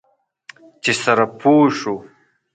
چې سره پوه شو.